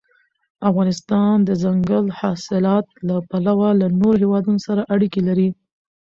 افغانستان د دځنګل حاصلات له پلوه له نورو هېوادونو سره اړیکې لري.